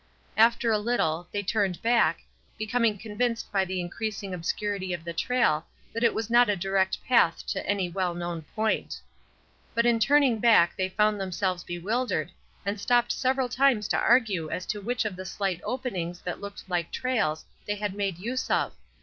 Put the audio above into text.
After a little, they turned back, becoming convinced by the increasing 160 ESTER RIED'S NAMESAKE obscurity of the trail that it was not a direct path to any well known point. But in turning back they found themselves bewildered, and stopped several times to argue as to which of the slight openings that looked like trails they had made use of.